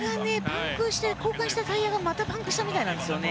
パンクして交換したタイヤがまたパンクしたみたいなんですよね。